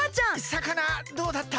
さかなどうだった？